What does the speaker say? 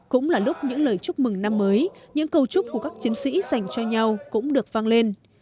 cũng là lúc những lời chúc mừng năm mới những câu chúc của các chiến sĩ dành cho nhau cũng được vang lên